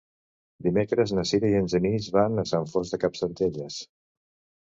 Dimecres na Sira i en Genís van a Sant Fost de Campsentelles.